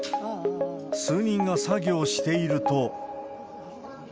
数人が作業していると。